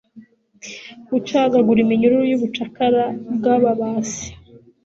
gucagagura iminyururu yubucakara bwababase